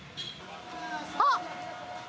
あっ。